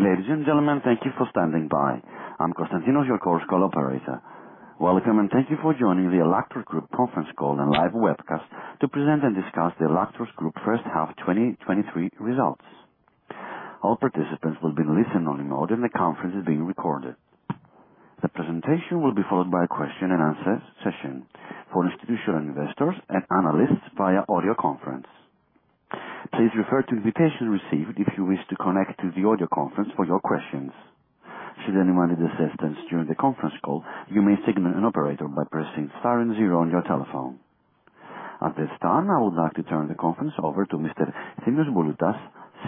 Ladies and gentlemen, thank you for standing by. I'm Constantinos, your Chorus Call operator. Welcome, and thank you for joining the Ellaktor Group conference call and live webcast to present and discuss the Ellaktor Group first half 2023 results. All participants will be in listen-only mode, and the conference is being recorded. The presentation will be followed by a question and answer session for institutional investors and analysts via audio conference. Please refer to invitation received if you wish to connect to the audio conference for your questions. Should anyone need assistance during the conference call, you may signal an operator by pressing star and zero on your telephone. At this time, I would like to turn the conference over to Mr. Efthymios Bouloutas,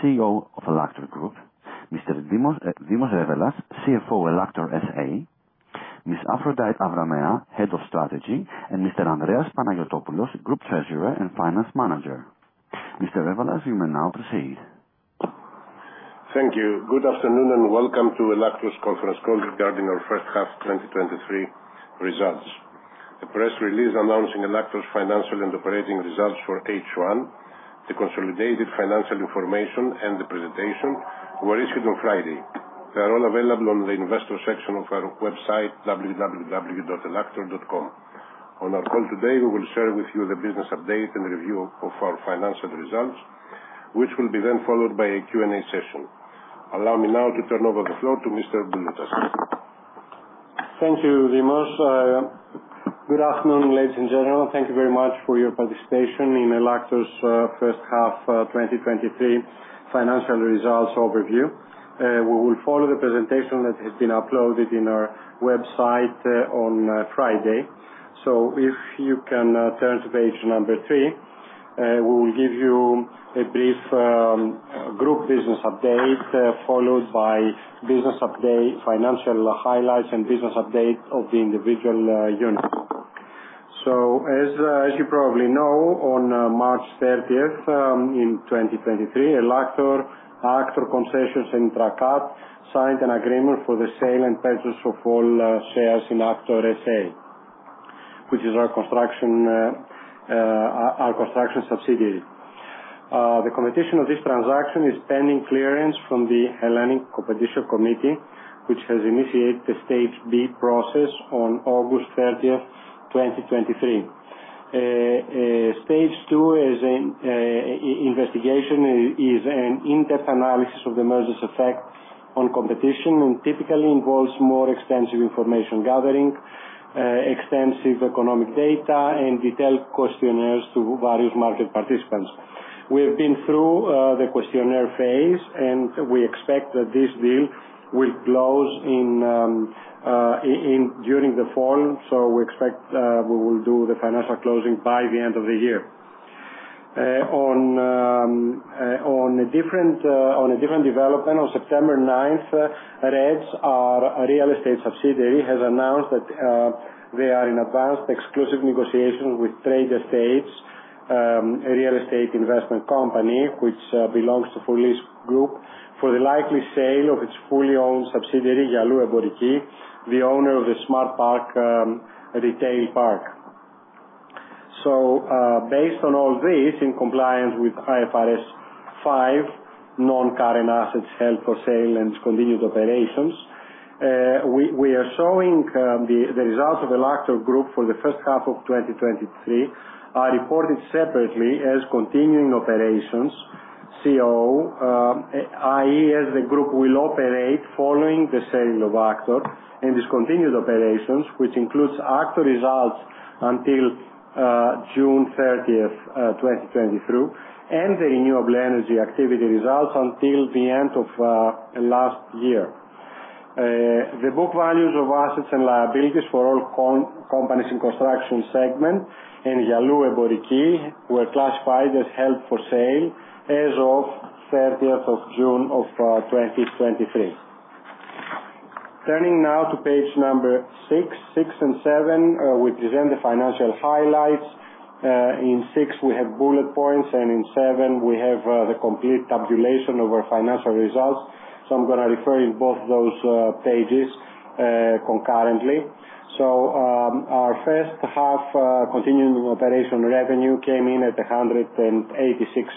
CEO of Ellaktor Group. Mr. Dimosthenis Revelas, CFO, Ellaktor S.A., Ms. Aphrodite Avramea, Head of Strategy, and Mr. Andreas Panagiotopoulos, Group Treasurer and Finance Manager. Mr. Revelas, you may now proceed. Thank you. Good afternoon, and welcome to Ellaktor's conference call regarding our first half 2023 results. The press release announcing Ellaktor's financial and operating results for H1, the consolidated financial information, and the presentation were issued on Friday. They are all available on the investor section of our website, www.ellaktor.com. On our call today, we will share with you the business update and review of our financial results, which will be then followed by a Q&A session. Allow me now to turn over the floor to Mr. Bouloutas. Thank you, Dimos. Good afternoon, ladies and gentlemen. Thank you very much for your participation in Ellaktor's first half 2023 financial results overview. We will follow the presentation that has been uploaded in our website on Friday. If you can turn to page number 3, we will give you a brief group business update followed by business update, financial highlights, and business update of the individual units. As you probably know, on March 30, 2023, Ellaktor, Aktor Concessions and Intrakat signed an agreement for the sale and purchase of all shares in Aktor S.A., which is our construction subsidiary. The completion of this transaction is pending clearance from the Hellenic Competition Commission, which has initiated the Stage B process on August 30, 2023. Stage two is an investigation, an in-depth analysis of the merger's effect on competition and typically involves more extensive information gathering, extensive economic data, and detailed questionnaires to various market participants. We have been through the questionnaire phase, and we expect that this deal will close during the fall, so we expect we will do the financial closing by the end of the year. On a different development, on September ninth, REDS, our real estate subsidiary, has announced that they are in advanced exclusive negotiations with Trade Estates, a real estate investment company which belongs to Fourlis Group, for the likely sale of its fully owned subsidiary, Yalou Emporiki, the owner of the Smart Park retail park. Based on all this, in compliance with IFRS 5 non-current assets held for sale and discontinued operations, we are showing the results of Ellaktor Group for the first half of 2023 are reported separately as continuing operations. C.O., i.e., as the group will operate following the sale of AKTOR and discontinued operations, which includes AKTOR results until June thirtieth, 2023, and the renewable energy activity results until the end of last year. The book values of assets and liabilities for all companies in construction segment and Yalou Emporiki were classified as held for sale as of thirtieth of June of 2023. Turning now to pages 6 and 7, we present the financial highlights. In six, we have bullet points, and in seven we have the complete tabulation of our financial results. So I'm gonna refer you to both those pages concurrently. So, our first half continuing operation revenue came in at 186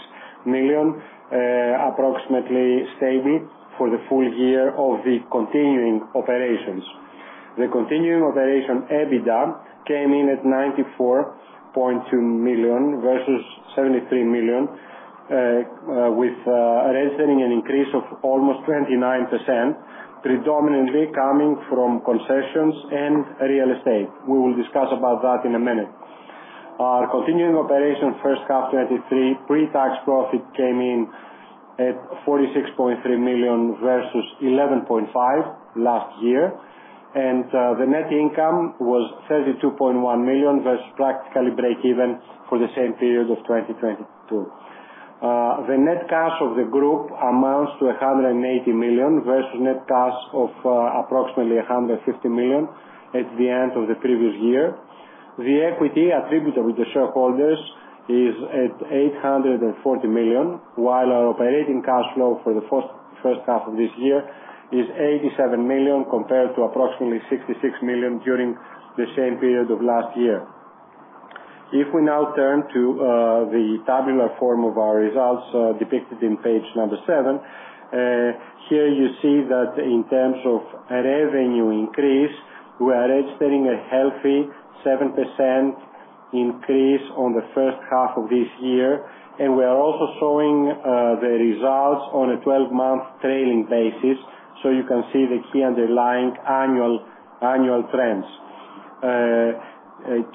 million, approximately stable for the full year of the continuing operations. The continuing operation EBITDA came in at 94.2 million versus 73 million with registering an increase of almost 29%, predominantly coming from concessions and real estate. We will discuss about that in a minute. Our continuing operation first half 2023 pre-tax profit came in at 46.3 million versus 11.5 million last year, and the net income was 32.1 million versus practically break even for the same period of 2022. The net cash of the group amounts to 180 million versus net cash of approximately 150 million at the end of the previous year. The equity attributable to shareholders is at 840 million, while our operating cash flow for the first half of this year is 87 million, compared to approximately 66 million during the same period of last year... If we now turn to the tabular form of our results, depicted in page 7, here you see that in terms of a revenue increase, we are registering a healthy 7% increase on the first half of this year. We are also showing the results on a twelve-month trailing basis, so you can see the key underlying annual trends.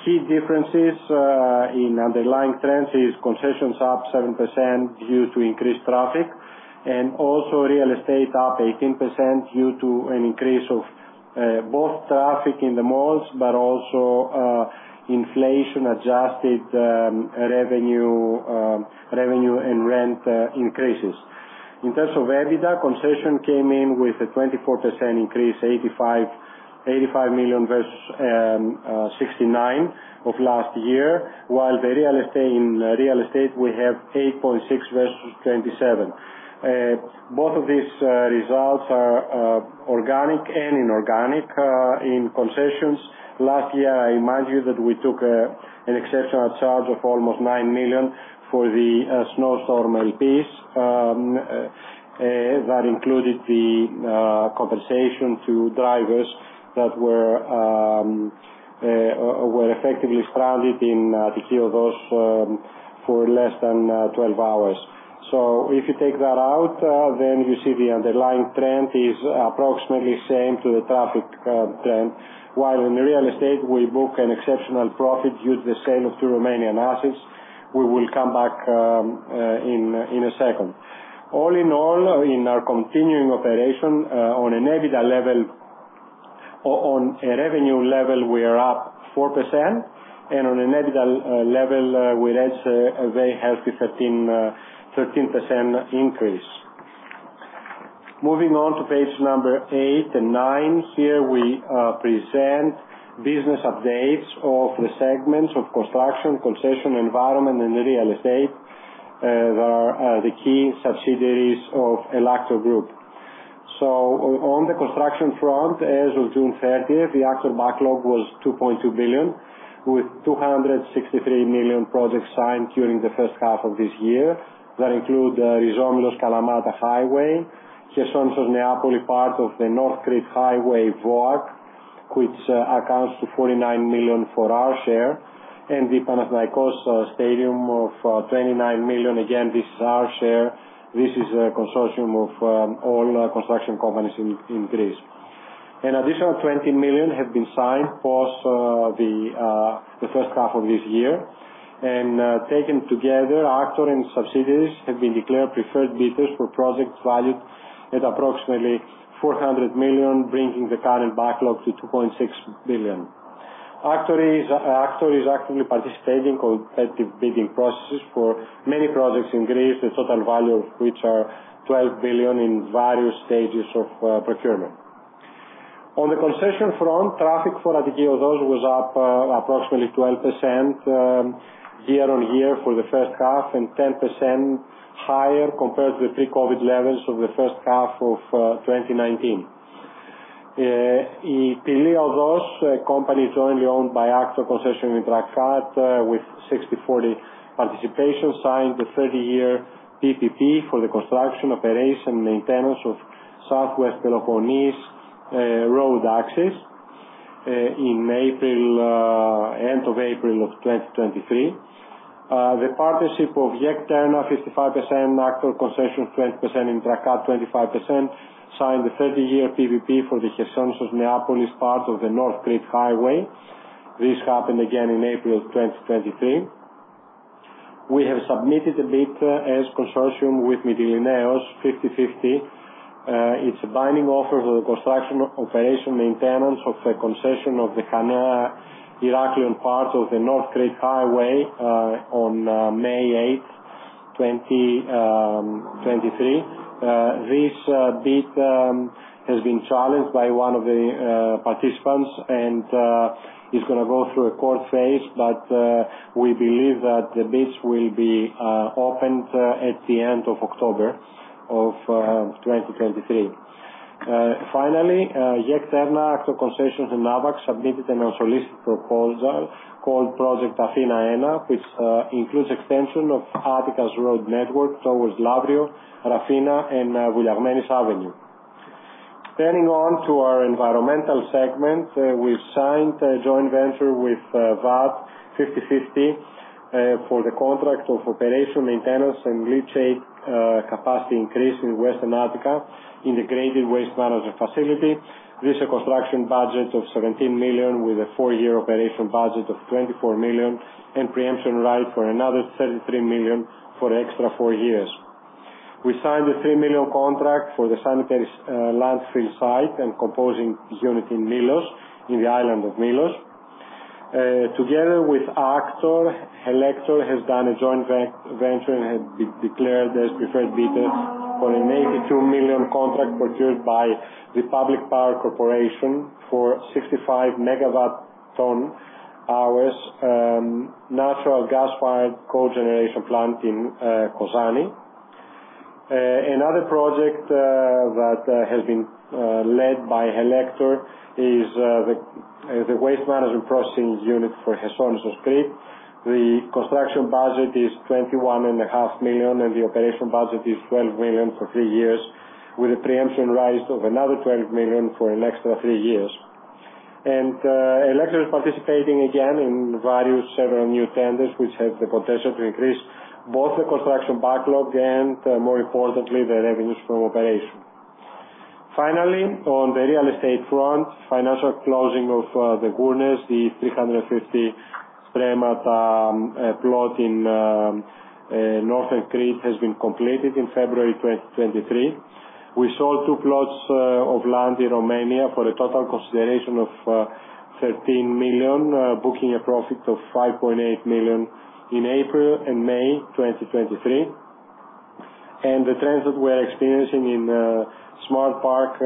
Key differences in underlying trends is concessions up 7% due to increased traffic, and also real estate up 18% due to an increase of both traffic in the malls, but also inflation-adjusted revenue, revenue and rent increases. In terms of EBITDA, concession came in with a 24% increase, 85 million versus 69 million of last year, while the real estate, in real estate, we have 8.6 million versus 27 million. Both of these results are organic and inorganic. In concessions, last year, I remind you that we took an exceptional charge of almost 9 million for the snowstorm Elpis. That included the compensation to drivers that were effectively stranded in the for less than 12 hours. So if you take that out, then you see the underlying trend is approximately the same to the traffic trend. While in the real estate we book an exceptional profit due to the sale of two Romanian assets, we will come back in a second. All in all, in our continuing operation, on an EBITDA level or on a revenue level, we are up 4%, and on an EBITDA level, we register a very healthy 13% increase. Moving on to page number 8 and 9, here we present business updates of the segments of construction, concession, environment, and real estate, the key subsidiaries of Ellaktor Group. On the construction front, as of June 30th, the actual backlog was 2.2 billion, with 263 million projects signed during the first half of this year. That includes Kalamata Highway, part of the North Crete Highway BOAK, which amounts to 49 million for our share, and the Panathinaikos Stadium of 29 million. Again, this is our share. This is a consortium of all construction companies in Greece. An additional 20 million have been signed post the first half of this year. And taken together, AKTOR and subsidiaries have been declared preferred bidders for projects valued at approximately 400 million, bringing the current backlog to 2.6 billion. Aktor is actively participating in competitive bidding processes for many projects in Greece, the total value of which is 12 billion in various stages of procurement. On the concession front, traffic for Attica was up approximately 12% year-on-year for the first half and 10% higher compared to the pre-COVID levels of the first half of 2019. A company jointly owned by Aktor Concessions with Intrakat with 60/40 participation signed the 30-year PPP for the construction, operation, and maintenance of Southwest Peloponnese road access in April, end of April 2023. The partnership of GEK TERNA, 55% Aktor Concessions, 20% Intrakat, 25%, signed the 30-year PPP for the Neapolis part of the North Crete Highway. This happened again in April 2023. We have submitted a bid as consortium with Mytilineos, 50/50. It's a binding offer for the construction, operation, maintenance of the concession of the Heraklion part of the North Crete Highway on May eighth, 2023. This bid has been challenged by one of the participants, and it's gonna go through a court phase. We believe that the bids will be opened at the end of October 2023. Finally, GEK TERNA, Aktor Concessions, and AVAX submitted an unsolicited proposal called Project Athena, which includes extension of Attica's road network towards Lavrio, Rafina, and Evia. Turning on to our environmental segment, we've signed a joint venture with WATT, 50/50, for the contract of operation, maintenance, and leachate capacity increase in Western Attica integrated waste management facility. This construction budget of 17 million, with a four-year operation budget of 24 million, and preemption right for another 33 million for extra four years. We signed a 3 million contract for the sanitary, landfill site and composting unit in Milos, in the island of Milos. Together with AKTOR, Helector has done a joint venture and has been declared as preferred bidders for an 82 million contract procured by the Public Power Corporation for 65 megawatt-hours, natural gas-fired cogeneration plant in, Kozani. Another project that has been led by Helector is the waste management processing unit for Chersonissos, Crete. The construction budget is 21.5 million, and the operation budget is 12 million for three years, with a preemption right of another 12 million for an extra three years. Helector is participating again in various several new tenders, which has the potential to increase both the construction backlog and, more importantly, the revenues from operation. Finally, on the real estate front, financial closing of the Gournes, the 350 stremmas plot in northern Crete, has been completed in February 2023. We sold two plots of land in Romania for a total consideration of 13 million, booking a profit of 5.8 million in April and May 2023. The trends that we're experiencing in Smart Park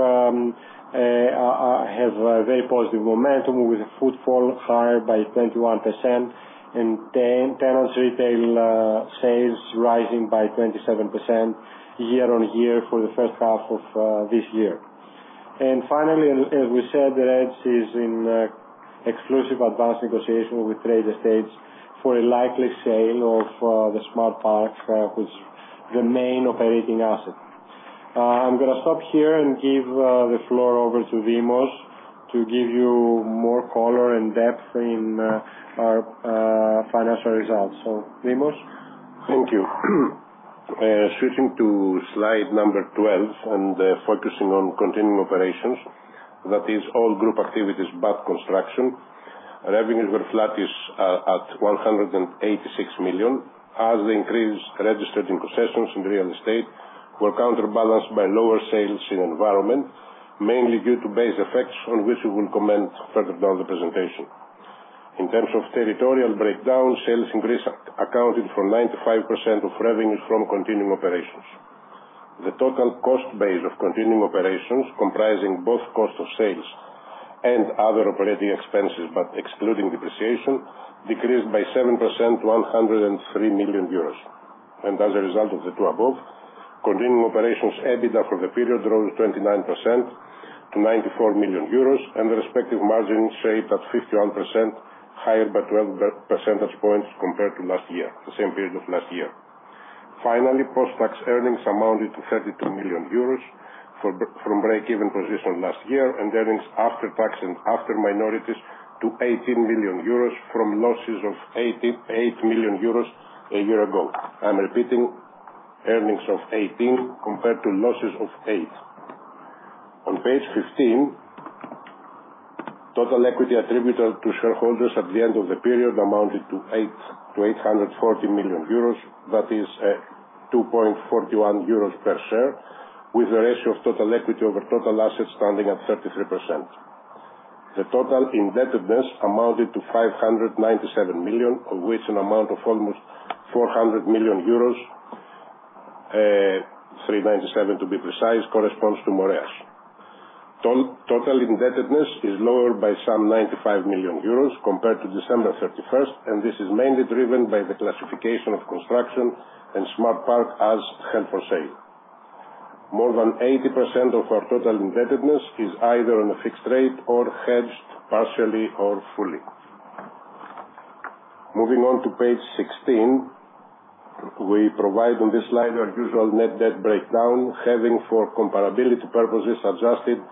have a very positive momentum, with footfall higher by 21%, and tenants' retail sales rising by 27% year-on-year for the first half of this year. And finally, as we said, REDS is in exclusive advanced negotiation with Trade Estates for a likely sale of the Smart Parks, which the main operating asset. I'm gonna stop here and give the floor over to Dimos to give you more color and depth in our financial results. So, Dimos? Thank you. Switching to slide number 12, and focusing on continuing operations, that is all group activities but construction. Revenues were flattish at 186 million, as the increase registered in concessions in real estate were counterbalanced by lower sales in environment, mainly due to base effects, on which we will comment further down the presentation. In terms of territorial breakdown, sales in Greece accounted for 95% of revenues from continuing operations. The total cost base of continuing operations, comprising both cost of sales and other operating expenses, but excluding depreciation, decreased by 7% to 103 million euros. As a result of the two above, continuing operations EBITDA for the period rose 29% to 94 million euros, and the respective margin stayed at 51%, higher by 12 percentage points compared to last year, the same period of last year. Finally, post-tax earnings amounted to 32 million euros from break-even position last year, and earnings after tax and after minorities to 18 million euros from losses of 88 million euros a year ago. I'm repeating, earnings of 18 compared to losses of 88. On page 15, total equity attributable to shareholders at the end of the period amounted to 840 million euros, that is, 2.41 euros per share, with the ratio of total equity over total assets standing at 33%. The total indebtedness amounted to 597 million, of which an amount of almost 400 million euros, 397 to be precise, corresponds to Moreas. Total indebtedness is lower by some 95 million euros compared to December thirty-first, and this is mainly driven by the classification of construction and Smart Park as held for sale. More than 80% of our total indebtedness is either on a fixed rate or hedged, partially or fully. Moving on to page 16, we provide on this slide our usual net debt breakdown, having, for comparability purposes, adjusted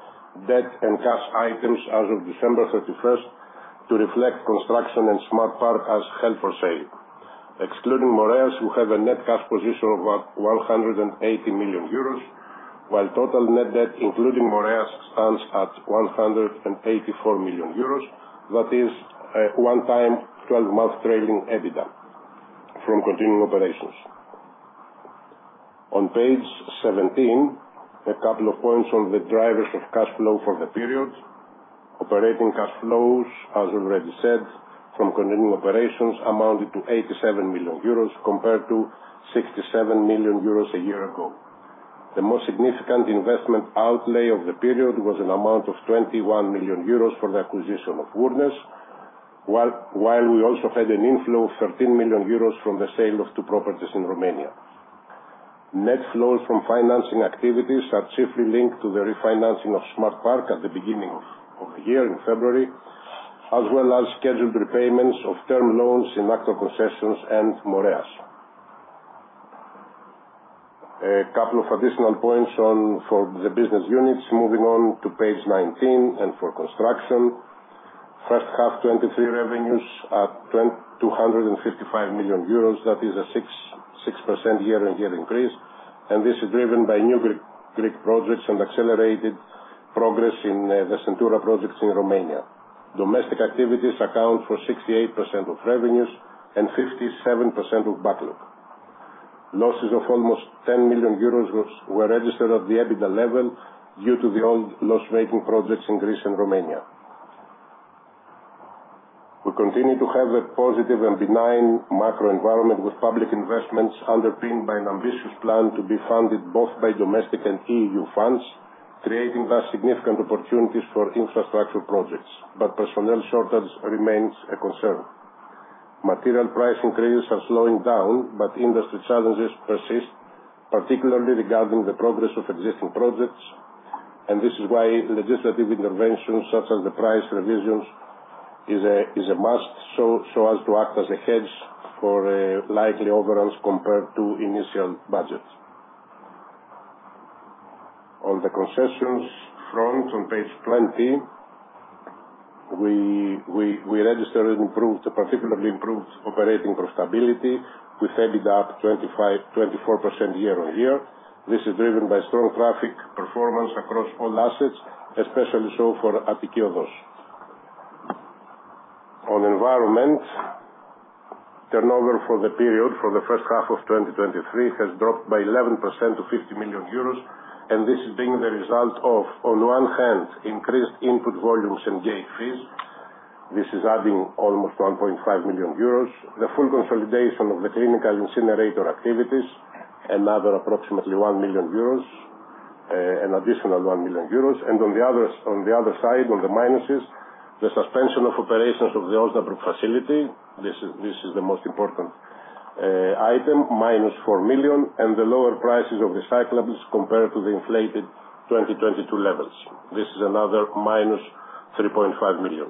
debt and cash items as of December thirty-first, to reflect construction and Smart Park as held for sale. Excluding Moreas, we have a net cash position of about 180 million euros, while total net debt, including Moreas, stands at 184 million euros. That is a one-time twelve-month trailing EBITDA from continuing operations. On page 17, a couple of points on the drivers of cash flow for the period. Operating cash flows, as already said, from continuing operations, amounted to 87 million euros compared to 67 million euros a year ago. The most significant investment outlay of the period was an amount of 21 million euros for the acquisition of Gournes, while we also had an inflow of 13 million euros from the sale of two properties in Romania. Net flows from financing activities are chiefly linked to the refinancing of Smart Park at the beginning of the year, in February, as well as scheduled repayments of term loans in Aktor Concessions and Moreas. A couple of additional points on for the business units. Moving on to page 19, and for construction. First half 2023 revenues are 255 million euros, that is a 6% year-on-year increase, and this is driven by new Greek projects and accelerated progress in the Centura projects in Romania. Domestic activities account for 68% of revenues and 57% of backlog. Losses of almost 10 million euros were registered at the EBITDA level due to the old loss-making projects in Greece and Romania. We continue to have a positive and benign macroenvironment, with public investments underpinned by an ambitious plan to be funded both by domestic and EU funds, creating thus significant opportunities for infrastructure projects, but personnel shortage remains a concern. Material price increases are slowing down, but industry challenges persist, particularly regarding the progress of existing projects. This is why legislative interventions such as the price revisions is a, is a must, so, so as to act as a hedge for likely overruns compared to initial budgets. On the concessions front, on page 20, we registered improved, a particularly improved operating profitability with EBITDA up 25, 24% year-on-year. This is driven by strong traffic performance across all assets, especially so for Attiki Odos. On environment, turnover for the period, for the first half of 2023, has dropped by 11% to 50 million euros, and this is being the result of, on one hand, increased input volumes and gate fees. This is adding almost 1.5 million euros. The full consolidation of the clinical incinerator activities, another approximately 1 million euros, an additional 1 million euros. On the other side, on the minuses, the suspension of operations of the facility. This is the most important item, -4 million, and the lower prices of recyclables compared to the inflated 2022 levels. This is another -3.5 million.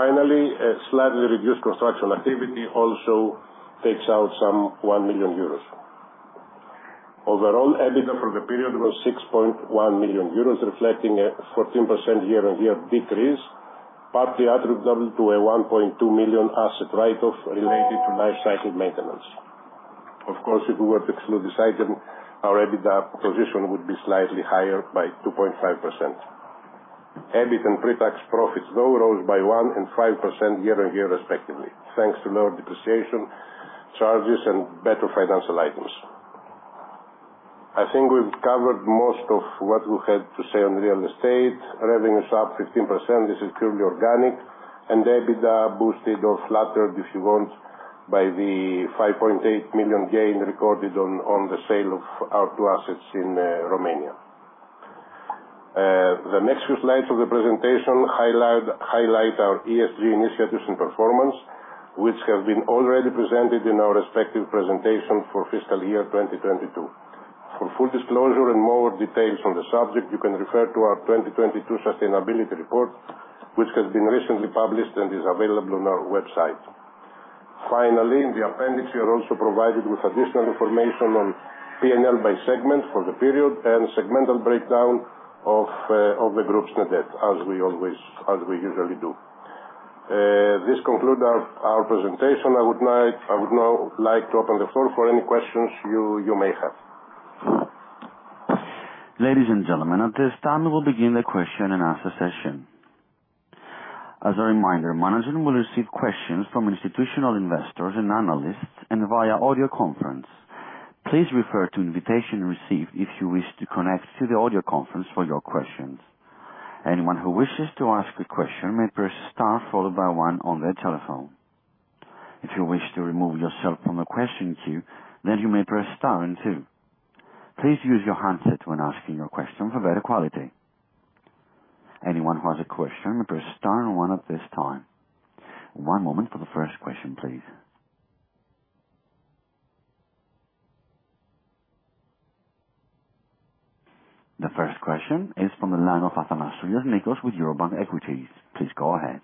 Finally, a slightly reduced construction activity also takes out some 1 million euros. Overall, EBITDA for the period was 6.1 million euros, reflecting a 14% year-on-year decrease, partly attributable to a 1.2 million asset write-off related to life cycle maintenance. Of course, if we were to exclude this item, our EBITDA position would be slightly higher by 2.5%. EBIT and pre-tax profits both rose by 1% and 5% year-on-year, respectively, thanks to lower depreciation charges and better financial items. I think we've covered most of what we had to say on real estate. Revenue is up 15%. This is purely organic, and EBITDA boosted or flattered, if you want, by the 5.8 million gain recorded on the sale of our two assets in Romania. The next few slides of the presentation highlight our ESG initiatives and performance, which have been already presented in our respective presentation for fiscal year 2022. For full disclosure and more details on the subject, you can refer to our 2022 sustainability report, which has been recently published and is available on our website. Finally, in the appendix, you are also provided with additional information on PNL by segment for the period and segmental breakdown of the group's net debt, as we always, as we usually do. This conclude our presentation. I would now like to open the floor for any questions you may have. Ladies and gentlemen, at this time, we will begin the question and answer session. As a reminder, management will receive questions from institutional investors and analysts and via audio conference. Please refer to invitation received if you wish to connect to the audio conference for your questions. Anyone who wishes to ask a question may press star followed by one on their telephone. If you wish to remove yourself from the question queue, then you may press star and two. Please use your handset when asking your question for better quality. Anyone who has a question, press star and one at this time. One moment for the first question, please. The first question is from the line of Nikos Athanasoulas with Eurobank Equities. Please go ahead.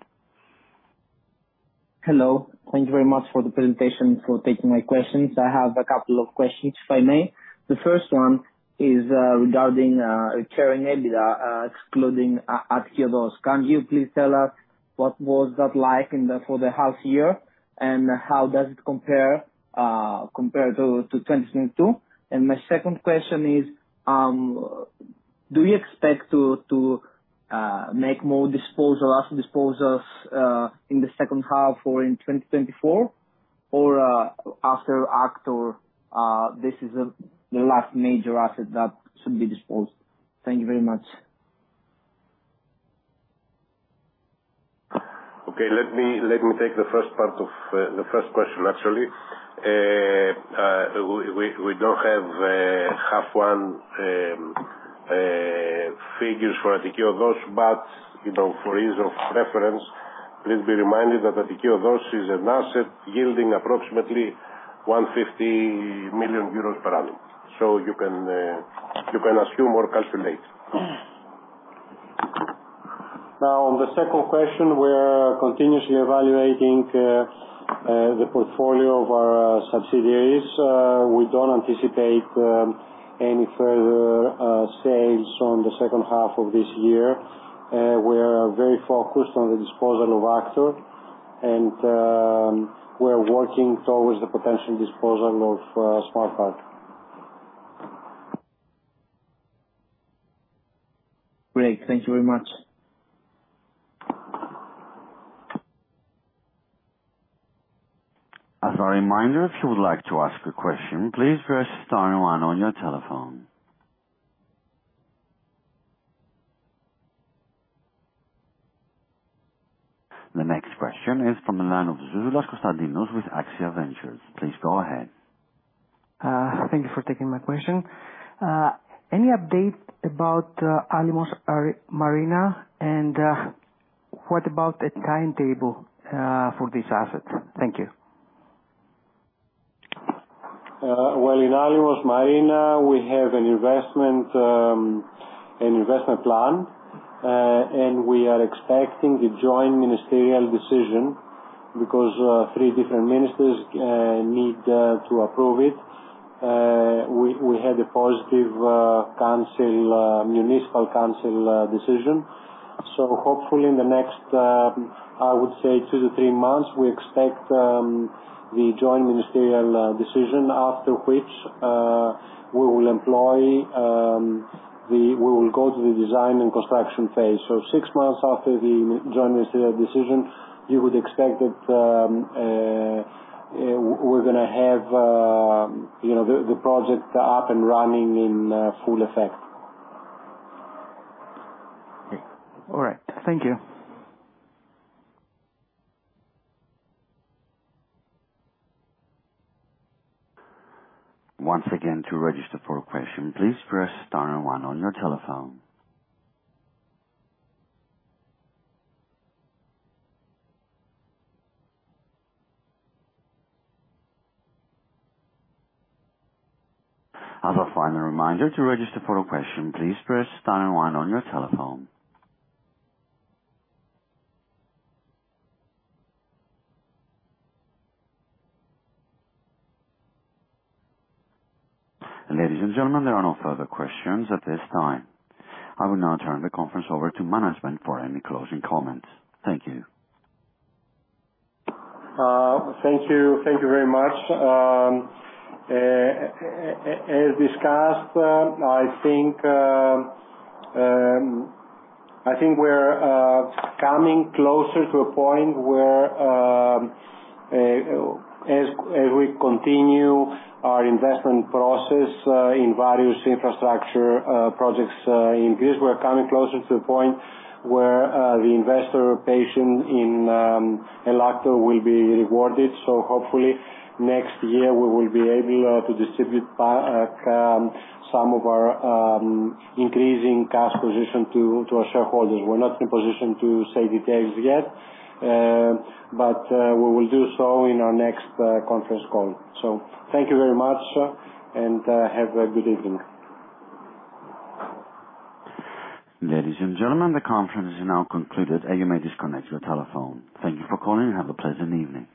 Hello. Thank you very much for the presentation and for taking my questions. I have a couple of questions, if I may. The first one is, regarding, carrying EBITDA, excluding, Attiki Odos. Can you please tell us what was that like in the, for the half year, and how does it compare, compare to, to 2022? And my second question is, do you expect to, to, make more disposal, asset disposals, in the second half or in 2024, or, after Aktor, this is the last major asset that should be disposed? Thank you very much. Okay, let me take the first part of the first question, naturally. We don't have H1 figures for Attiki Odos, but, you know, for ease of reference, please be reminded that Attiki Odos is an asset yielding approximately 150 million euros per annum. So you can assume or calculate. Now, on the second question, we're continuously evaluating the portfolio of our subsidiaries. We don't anticipate any further sales on the second half of this year. We're very focused on the disposal of AKTOR, and we're working towards the potential disposal of Smart Park. Great. Thank you very much. As a reminder, if you would like to ask a question, please press star and one on your telephone. The next question is from the line of Constantinos Zouzoulas with Axia Ventures. Please go ahead.... Thank you for taking my question. Any update about Alimos Marina, and what about a timetable for this asset? Thank you. Well, in Alimos Marina, we have an investment, an investment plan. And we are expecting the joint ministerial decision because three different ministers need to approve it. We had a positive council, municipal council decision. So hopefully in the next, I would say 2-3 months, we expect the joint ministerial decision, after which, we will employ we will go to the design and construction phase. So 6 months after the joint ministerial decision, you would expect that, we're gonna have, you know, the project up and running in full effect. Okay. All right. Thank you. Once again, to register for a question, please press star and one on your telephone. As a final reminder, to register for a question, please press star and one on your telephone. Ladies and gentlemen, there are no further questions at this time. I will now turn the conference over to management for any closing comments. Thank you. Thank you. Thank you very much. As discussed, I think we're coming closer to a point where, as we continue our investment process in various infrastructure projects in Greece, we're coming closer to the point where the investor patience in Ellaktor will be rewarded. So hopefully, next year we will be able to distribute back some of our increasing cash position to our shareholders. We're not in a position to say details yet, but we will do so in our next conference call. So thank you very much, and have a good evening. Ladies and gentlemen, the conference is now concluded, and you may disconnect your telephone. Thank you for calling and have a pleasant evening.